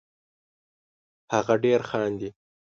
هغه ډېر خاندي